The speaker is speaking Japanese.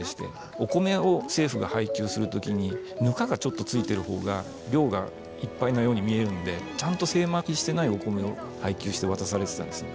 お米を政府が配給する時にぬかがちょっとついてる方が量がいっぱいのように見えるんでちゃんと精米してないお米を配給して渡されてたんですね。